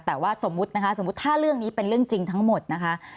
แต่ว่าสมมุตินะคะสมมุติถ้าเรื่องนี้เป็นเรื่องจริงทั้งหมดนะคะ